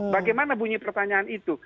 bagaimana bunyi pertanyaan itu